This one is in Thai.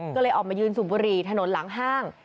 ก็เลยออกมายืนสูบบุหรี่ถนนหลังห้าง